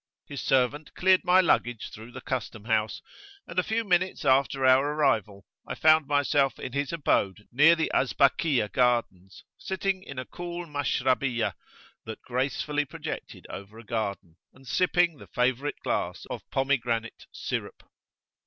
His servant cleared my luggage through the custom house, and a few minutes after our arrival I found myself in his abode near the Azbakiyah Gardens, sitting in a cool Mashrabiyah[FN#8] that gracefully projected over a garden, and sipping the favourite glass of pomegranate syrup.